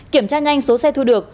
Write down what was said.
kiểm tra nhanh số xe thu được